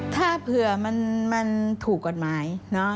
ถ้าเผื่อมันถูกกฎหมาย